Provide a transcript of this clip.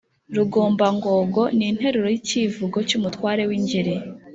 Rugombangogo ni interuro y’ikivugo cy’umutware w’Ingeri.